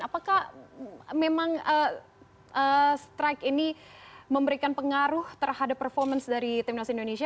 apakah memang strike ini memberikan pengaruh terhadap performance dari timnas indonesia